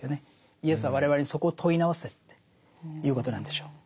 イエスは我々にそこを問い直せっていうことなんでしょう。